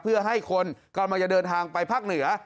เพื่อให้คนก่อนมาเดินทางไปภาคเหนือ